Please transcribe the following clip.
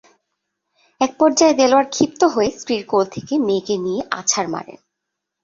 একপর্যায়ে দেলোয়ার ক্ষিপ্ত হয়ে স্ত্রীর কোল থেকে মেয়েকে নিয়ে আছাড় মারেন।